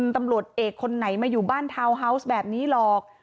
ตำรวจเอกคนไหนมาอยู่บ้านทาวน์ฮาวส์แบบนี้หรอก